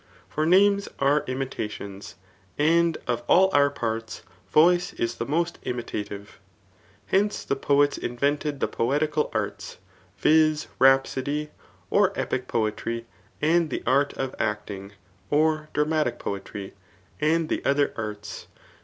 For names are imitations ', and of all our parts, vcnce is the most imitative. Hence, the poets invented the poe tical arts, viz. rhapsody, j^or epic poetry,] and the art of acting, [or dramatic poetry,] and die other arts.